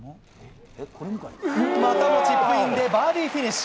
またもチップインでバーディーフィニッシュ！